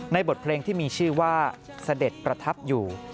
บทเพลงที่มีชื่อว่าเสด็จประทับอยู่